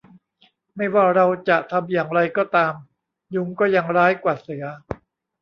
ไม่ว่าเราจะทำอย่างไรก็ตาม ยุงก็ยังร้ายกว่าเสือ